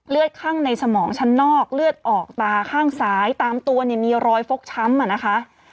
ข้างในสมองชั้นนอกเลือดออกตาข้างซ้ายตามตัวเนี่ยมีรอยฟกช้ำอ่ะนะคะ